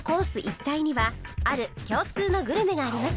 一帯にはある共通のグルメがあります